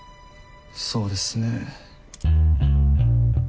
そうですね。